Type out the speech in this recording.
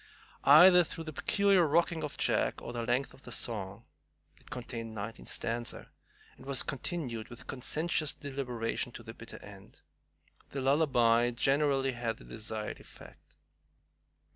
Either through the peculiar rocking of Jack or the length of his song, it contained ninety stanzas, and was continued with conscientious deliberation to the bitter end, the lullaby generally had the desired effect.